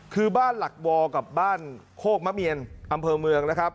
คือบ้านหลักวอกับบ้านโคกมะเมียนอำเภอเมืองนะครับ